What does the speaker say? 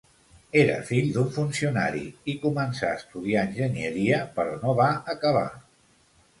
Era fill d'un funcionari i començà estudiar enginyeria, però no va acabar.